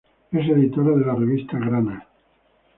Es editora de la revista Grana.